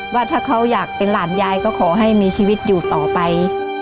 ว่าถ้าเขาอยากเป็นหลานยายก็ขอให้มีชีวิตอยู่ต่อไป